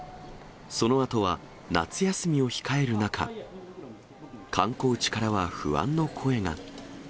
そのあとは夏休みを控える中、観光地からは不安の声が。